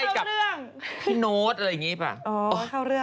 แล้วเข้าเรื่อง